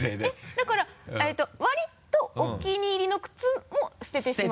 だから割とお気に入りの靴も捨ててしまう？